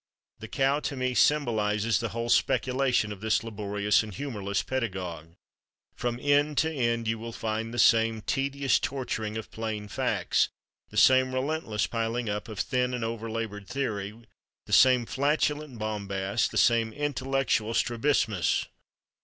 The cow, to me, symbolizes the whole speculation of this laborious and humorless pedagogue. From end to end you will find the same tedious torturing of plain facts, the same relentless piling up of thin and over labored theory, the same flatulent bombast, the same intellectual strabismus.